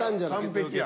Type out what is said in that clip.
完璧や。